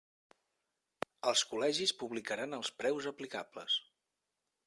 Els col·legis publicaran els preus aplicables.